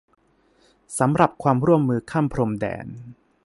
สำหรับความร่วมมือข้ามพรมแดน